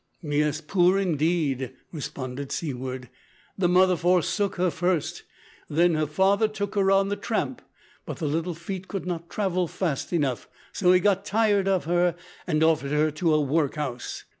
"Yes, poor indeed!" responded Seaward. "The mother forsook her first; then her father took her on the tramp, but the little feet could not travel fast enough, so he got tired of her and offered her to a workhouse.